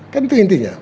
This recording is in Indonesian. kan itu intinya